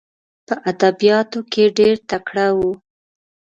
په ادبیاتو کې ډېر تکړه وو.